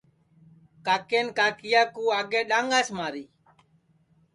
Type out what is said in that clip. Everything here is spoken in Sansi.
کاکین کاکِیا کُو آگے ڈؔانگاس مارا